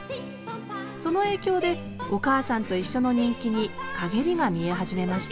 その影響で「おかあさんといっしょ」の人気に陰りが見え始めました